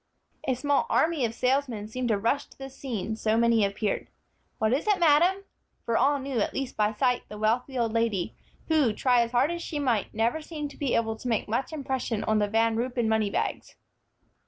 A small army of salesmen seemed to rush to the scene, so many appeared. "What is it, madam?" for all knew, at least by sight, the wealthy old lady, who, try as hard as she might, never seemed to be able to make much impression on the Van Ruypen money bags.